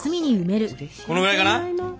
このぐらいかな？